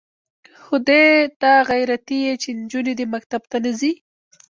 خو دې ته غیرتي یې چې نجونې دې مکتب ته نه ځي.